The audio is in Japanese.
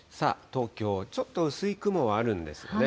東京、ちょっと薄い雲はあるんですよね。